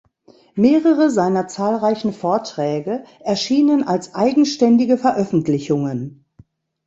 Mehrere seiner zahlreichen Vorträge erschienen als eigenständige Veröffentlichungen.